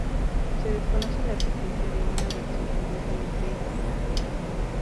Se desconoce la existencia de una versión completamente inalterada.